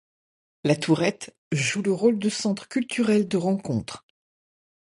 La Tourette joue le rôle de centre culturel de rencontre.